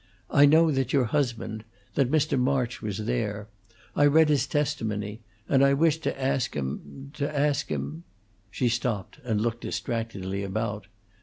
I know that your husband that Mr. March was there; I read his testimony; and I wished to ask him to ask him " She stopped and looked distractedly about.